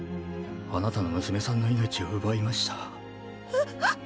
あなたの娘さんの命を奪いました。！！